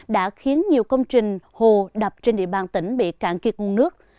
đã khiến nhiều công trình hồ đập trên địa bàn tỉnh bị cạn kiệt nguồn nước